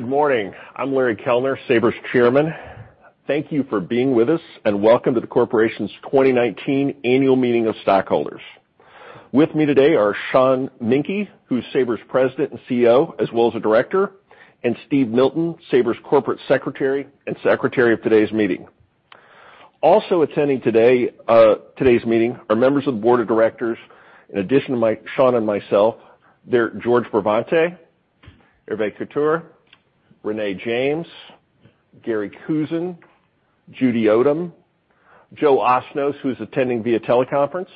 Good morning. I'm Larry Kellner, Sabre's Chairman. Thank you for being with us, and welcome to the corporation's 2019 Annual Meeting of Stockholders. With me today are Sean Menke, who's Sabre's President and CEO, as well as a Director, and Steve Milton, Sabre's Corporate Secretary and secretary of today's meeting. Also attending today's meeting are members of the board of directors. In addition to Sean and myself, they're George Bravante, Hervé Couturier, Renee James, Gary Kusin, Judy Odom, Joe Osnoss, who's attending via teleconference,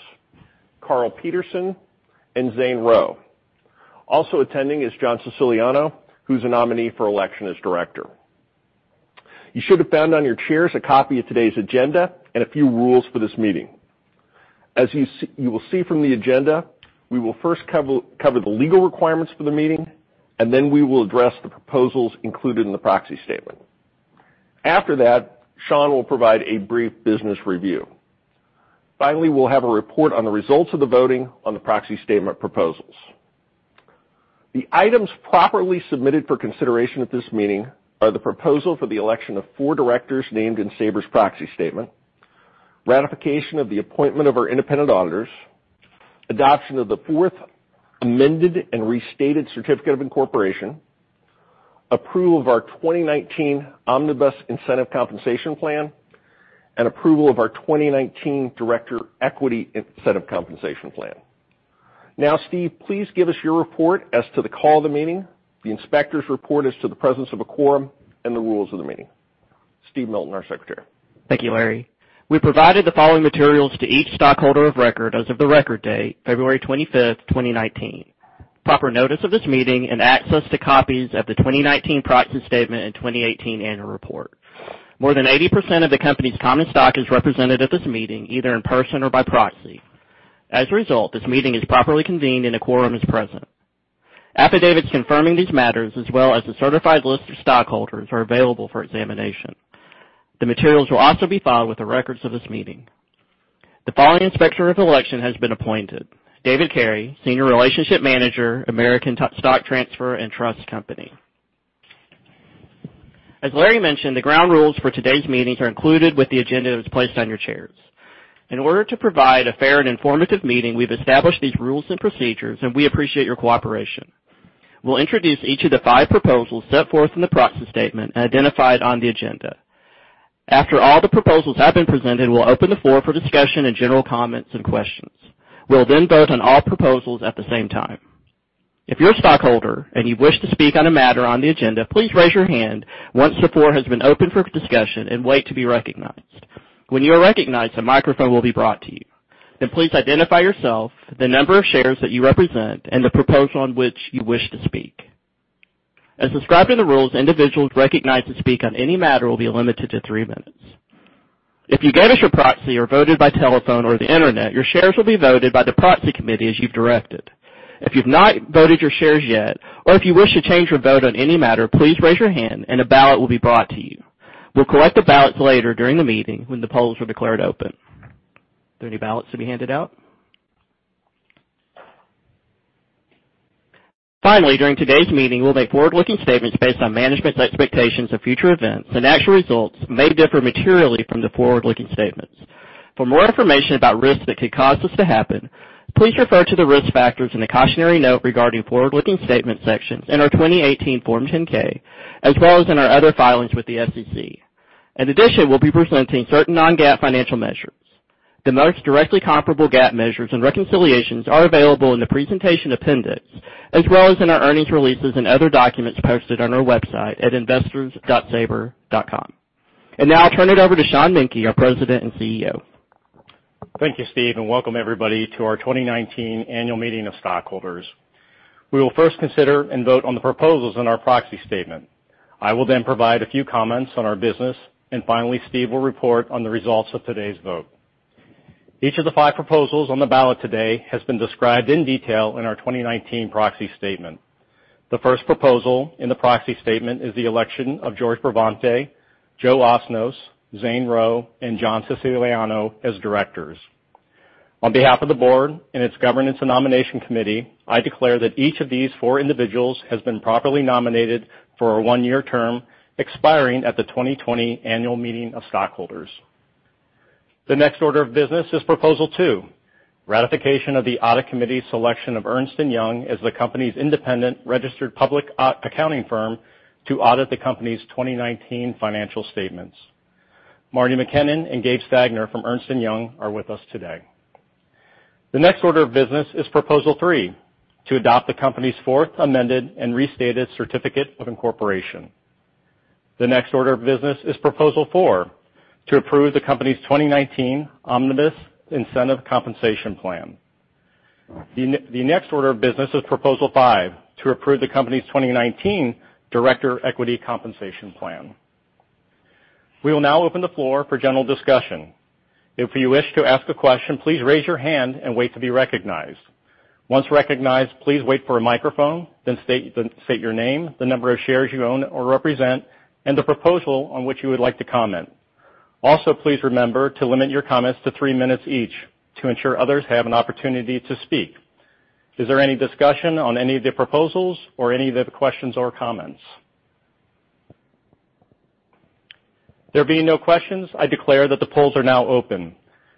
Karl Peterson, and Zane Rowe. Also attending is John Siciliano, who's a nominee for election as Director. You should have found on your chairs a copy of today's agenda and a few rules for this meeting. As you will see from the agenda, we will first cover the legal requirements for the meeting, and then we will address the proposals included in the proxy statement. After that, Sean will provide a brief business review. Finally, we'll have a report on the results of the voting on the proxy statement proposals. The items properly submitted for consideration at this meeting are the proposal for the election of four Directors named in Sabre's proxy statement, ratification of the appointment of our independent auditors, adoption of the Fourth Amended and Restated Certificate of Incorporation, approval of our 2019 Omnibus Incentive Compensation Plan, and approval of our 2019 Director Equity Incentive Compensation Plan. Steve, please give us your report as to the call of the meeting, the inspector's report as to the presence of a quorum, and the rules of the meeting. Steve Milton, our secretary. Thank you, Larry. We provided the following materials to each stockholder of record as of the record date, February 25th, 2019. Proper notice of this meeting and access to copies of the 2019 proxy statement and 2018 annual report. More than 80% of the company's common stock is represented at this meeting, either in person or by proxy. As a result, this meeting is properly convened and a quorum is present. Affidavits confirming these matters, as well as the certified list of stockholders, are available for examination. The materials will also be filed with the records of this meeting. The following inspector of election has been appointed: David Carey, senior relationship manager, American Stock Transfer & Trust Company. As Larry mentioned, the ground rules for today's meetings are included with the agenda that was placed on your chairs. In order to provide a fair and informative meeting, we've established these rules and procedures, and we appreciate your cooperation. We'll introduce each of the five proposals set forth in the proxy statement and identified on the agenda. After all the proposals have been presented, we'll open the floor for discussion and general comments and questions. We'll vote on all proposals at the same time. If you're a stockholder, and you wish to speak on a matter on the agenda, please raise your hand once the floor has been open for discussion and wait to be recognized. When you are recognized, a microphone will be brought to you. Please identify yourself, the number of shares that you represent, and the proposal on which you wish to speak. As described in the rules, individuals recognized to speak on any matter will be limited to three minutes. If you gave us your proxy or voted by telephone or the internet, your shares will be voted by the proxy committee as you've directed. If you've not voted your shares yet or if you wish to change your vote on any matter, please raise your hand and a ballot will be brought to you. We'll collect the ballots later during the meeting when the polls are declared open. Are there any ballots to be handed out? During today's meeting, we'll make forward-looking statements based on management's expectations of future events, and actual results may differ materially from the forward-looking statements. For more information about risks that could cause this to happen, please refer to the risk factors and the cautionary note regarding forward-looking statements sections in our 2018 Form 10-K, as well as in our other filings with the SEC. We'll be presenting certain non-GAAP financial measures. The most directly comparable GAAP measures and reconciliations are available in the presentation appendix, as well as in our earnings releases and other documents posted on our website at investors.sabre.com. Now I'll turn it over to Sean Menke, our President and CEO. Thank you, Steve, welcome everybody to our 2019 Annual Meeting of Stockholders. We will first consider and vote on the proposals in our proxy statement. I will then provide a few comments on our business. Finally, Steve will report on the results of today's vote. Each of the five proposals on the ballot today has been described in detail in our 2019 proxy statement. The first proposal in the proxy statement is the election of George Bravante, Joe Osnoss, Zane Rowe, and John Siciliano as directors. On behalf of the board and its governance and nomination committee, I declare that each of these four individuals has been properly nominated for a one-year term expiring at the 2020 Annual Meeting of Stockholders. The next order of business is Proposal 2, ratification of the audit committee's selection of Ernst & Young as the company's independent registered public accounting firm to audit the company's 2019 financial statements. Marty McKinnon and Gabe Stagner from Ernst & Young are with us today. The next order of business is Proposal 3, to adopt the company's Fourth Amended and Restated Certificate of Incorporation. The next order of business is Proposal 4, to approve the company's 2019 Omnibus Incentive Compensation Plan. The next order of business is Proposal 5, to approve the company's 2019 Director Equity Compensation Plan. We will now open the floor for general discussion. If you wish to ask a question, please raise your hand and wait to be recognized. Once recognized, please wait for a microphone, then state your name, the number of shares you own or represent, and the proposal on which you would like to comment. Also, please remember to limit your comments to three minutes each to ensure others have an opportunity to speak. Is there any discussion on any of the proposals or any of the questions or comments? There being no questions, I declare that the polls are now open.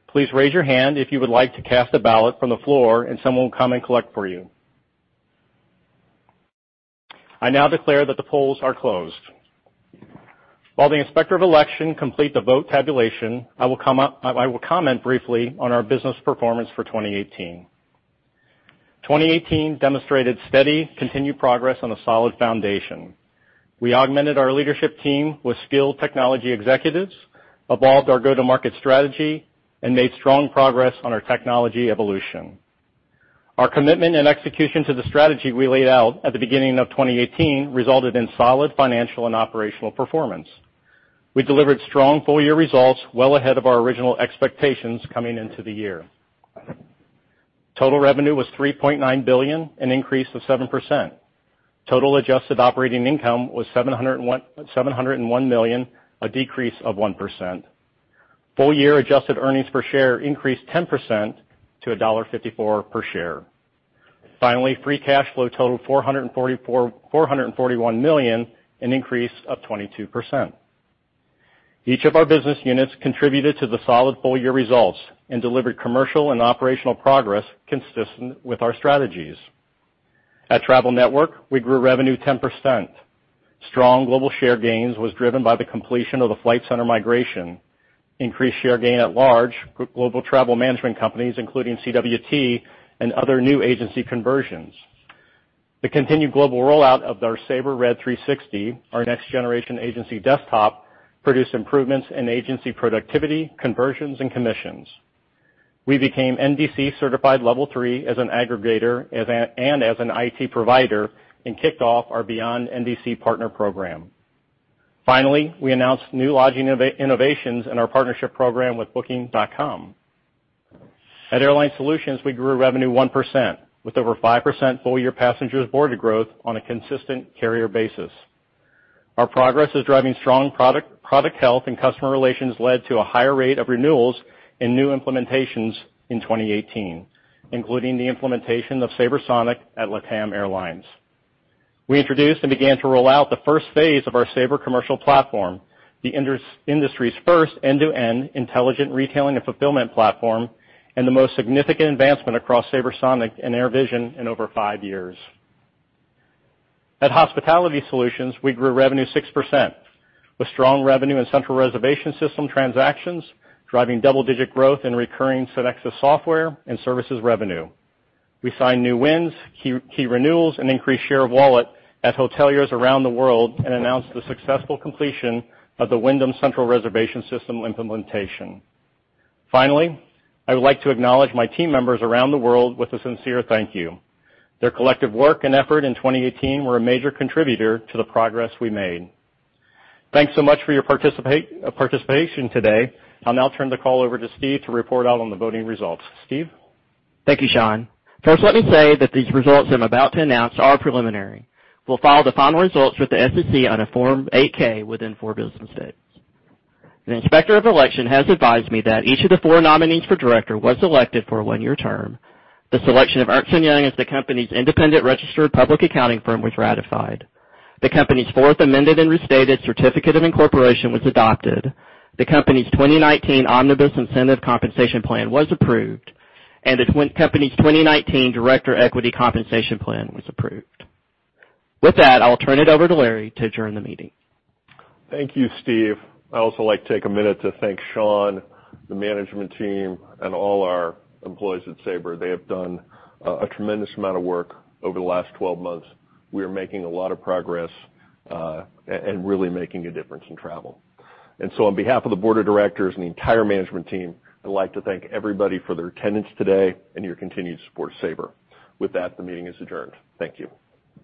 Please raise your hand if you would like to cast a ballot from the floor, and someone will come and collect for you. I now declare that the polls are closed. While the Inspector of Election complete the vote tabulation, I will comment briefly on our business performance for 2018. 2018 demonstrated steady continued progress on a solid foundation. We augmented our leadership team with skilled technology executives, evolved our go-to-market strategy, and made strong progress on our technology evolution. Our commitment and execution to the strategy we laid out at the beginning of 2018 resulted in solid financial and operational performance. We delivered strong full-year results well ahead of our original expectations coming into the year. Total revenue was $3.9 billion, an increase of 7%. Total adjusted operating income was $701 million, a decrease of 1%. Full year adjusted earnings per share increased 10% to $1.54 per share. Finally, free cash flow totaled $441 million, an increase of 22%. Each of our business units contributed to the solid full-year results and delivered commercial and operational progress consistent with our strategies. At Travel Network, we grew revenue 10%. Strong global share gains was driven by the completion of the Flight Centre migration, increased share gain at large global travel management companies, including CWT and other new agency conversions. The continued global rollout of our Sabre Red 360, our next-generation agency desktop, produced improvements in agency productivity, conversions, and commissions. We became NDC Certified Level 3 as an aggregator and as an IT provider and kicked off our Beyond NDC partner program. Finally, we announced new lodging innovations in our partnership program with Booking.com. At Airline Solutions, we grew revenue 1%, with over 5% full-year passengers boarded growth on a consistent carrier basis. Our progress is driving strong product health, and customer relations led to a higher rate of renewals and new implementations in 2018, including the implementation of SabreSonic at LATAM Airlines. We introduced and began to roll out the first phase of our Sabre Commercial Platform, the industry's first end-to-end intelligent retailing and fulfillment platform, and the most significant advancement across SabreSonic and AirVision in over five years. At Hospitality Solutions, we grew revenue 6%, with strong revenue and central reservation system transactions driving double-digit growth in recurring SynXis software and services revenue. We signed new wins, key renewals, and increased share of wallet at hoteliers around the world and announced the successful completion of the Wyndham Central Reservation System implementation. Finally, I would like to acknowledge my team members around the world with a sincere thank you. Their collective work and effort in 2018 were a major contributor to the progress we made. Thanks so much for your participation today. I'll now turn the call over to Steve to report out on the voting results. Steve? Thank you, Sean. First, let me say that these results I'm about to announce are preliminary. We'll follow the final results with the SEC on a Form 8-K within four business days. The Inspector of Election has advised me that each of the four nominees for director was elected for a one-year term. The selection of Ernst & Young as the company's independent registered public accounting firm was ratified. The company's Fourth Amended and Restated Certificate of Incorporation was adopted. The company's 2019 Omnibus Incentive Compensation Plan was approved, and the company's 2019 Director Equity Compensation Plan was approved. With that, I'll turn it over to Larry to adjourn the meeting. Thank you, Steve. I'd also like to take a minute to thank Sean, the management team, and all our employees at Sabre. They have done a tremendous amount of work over the last 12 months. We are making a lot of progress and really making a difference in travel. On behalf of the board of directors and the entire management team, I'd like to thank everybody for their attendance today and your continued support of Sabre. With that, the meeting is adjourned. Thank you.